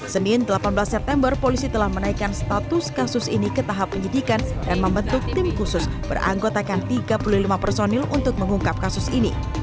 senin delapan belas september polisi telah menaikkan status kasus ini ke tahap penyidikan dan membentuk tim khusus beranggotakan tiga puluh lima personil untuk mengungkap kasus ini